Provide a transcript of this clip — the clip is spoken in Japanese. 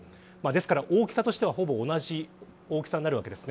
ですから、大きさとしてはほぼ同じ大きさになるわけです。